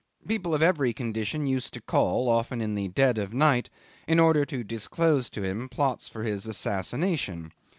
People of every condition used to call, often in the dead of night, in order to disclose to him plots for his assassination.